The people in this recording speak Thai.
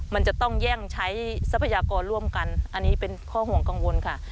มันจะต้องแย่งใช้ทรัพยากรร่วมกันอันนี้เป็นข้อห่วงกังวลค่ะ